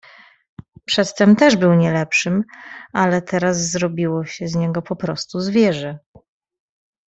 "Przedtem też był nie lepszym, ale teraz zrobiło się z niego poprostu zwierzę."